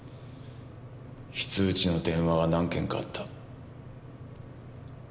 非通知の電話は何件かあった。